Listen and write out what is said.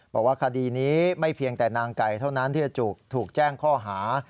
บอกว่าคดีนี้ไม่เพียงแต่นางไก่เท่านั้นที่จะถูกแจ้งข้อหา